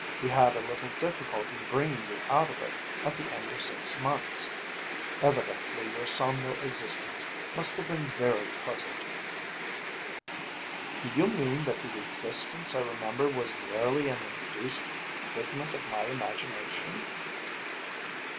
We had a little difficulty bringing you out of it at the end of six months. Evidently your somno existence must have been very pleasant." "Do you mean that the existence I remember was merely an induced figment of my imagination?"